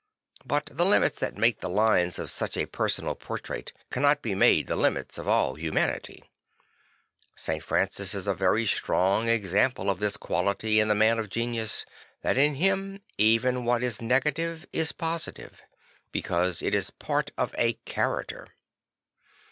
But the limits that make the lines of such a personal portrait cannot be made the limits of all humanity. St. Francis is a very strong example of this quality in the man of genius, that in him even what is negative is positive, because it is part of a character.